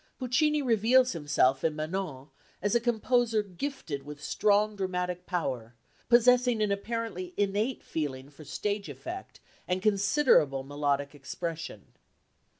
Puccini reveals himself in Manon as a composer gifted with strong dramatic power, possessing an apparently innate feeling for stage effect and considerable melodic expression.